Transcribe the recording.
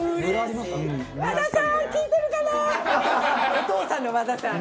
お父さんの和田さん。